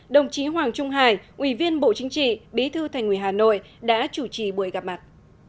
đồng chí hoàng trung hải ủy viên bộ chính trị bí thư thành ủy hà nội đã chủ trì buổi gặp mặt